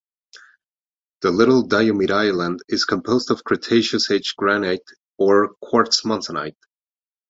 The Little Diomede island is composed of Cretaceous age granite or quartz monzonite.